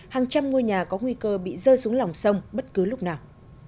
hàng trăm ngôi nhà có nguy cơ bị rơi xuống lòng sông bất cứ lúc nào